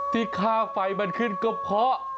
ค่าไฟมันขึ้นก็เพราะ